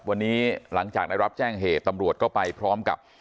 วันนี้หลังจากได้รับแจ้งเหตุตำรวจก็ไปพร้อมกับ